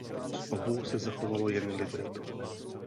Z obou se zachovalo jen libreto.